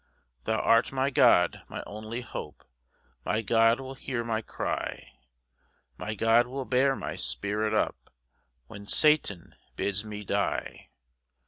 7 Thou art my God, my only hope; My God will hear my cry; My God will bear my spirit up When Satan bids me die.